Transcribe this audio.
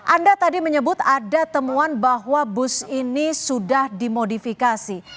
anda tadi menyebut ada temuan bahwa bus ini sudah dimodifikasi